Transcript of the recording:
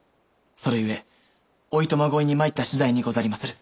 それゆえお暇乞いに参ったしだいにござりまする。